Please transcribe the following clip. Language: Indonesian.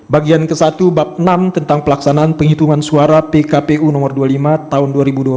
bagian ke satu bab enam tentang pelaksanaan penghitungan suara pkpu nomor dua puluh lima tahun dua ribu dua puluh